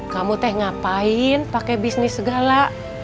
kamu teh ngapain pakai bisnis segala